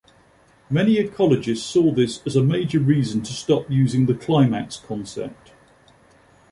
Many ecologists saw this as a major reason to stop using the climax concept.